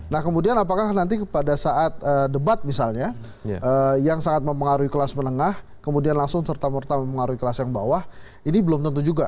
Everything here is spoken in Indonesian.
nah kemudian apakah nanti pada saat debat misalnya yang sangat mempengaruhi kelas menengah kemudian langsung serta merta mempengaruhi kelas yang bawah ini belum tentu juga